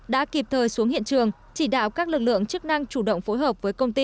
đã kịp thời xuống hiện trường chỉ đạo các lực lượng chức năng chủ động phối hợp với công ty